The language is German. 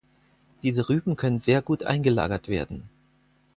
Diese Rüben können sehr gut eingelagert werden.